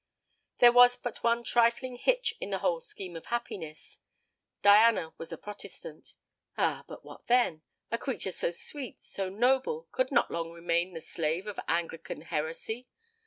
There was but one trifling hitch in the whole scheme of happiness Diana was a Protestant. Ah, but what then! A creature so sweet, so noble, could not long remain the slave of Anglican heresy.